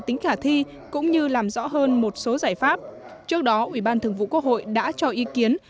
tính khả thi cũng như làm rõ hơn một số giải pháp trước đó ủy ban thường vụ quốc hội đã cho ý kiến